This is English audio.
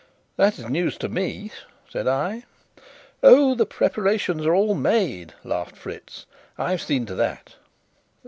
"That is news to me," said I. "Oh, the preparations are all made!" laughed Fritz. "I've seen to that."